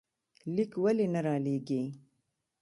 ليک ولې نه رالېږې؟